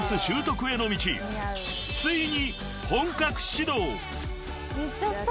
［ついに］